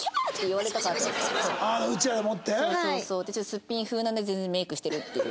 スッピン風なのに全然メイクしてるっていう。